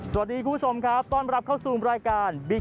สวัสดีคุณผู้ชมครับ